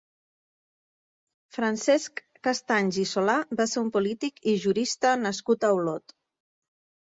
Francesc Castanys i Solà va ser un polític i jurista nascut a Olot.